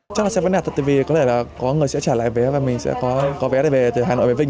chắc là sẽ vấn đề thật vì có lẽ là có người sẽ trả lại vé và mình sẽ có vé về từ hà nội vinh